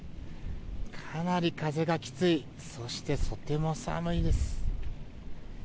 かなり風がきついそしてとても寒いです。